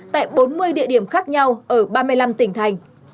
tại bốn mươi địa điểm khác nhau ở ba mươi năm tỉnh thành